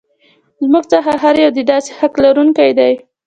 زموږ څخه هر یو د داسې حق لرونکی دی.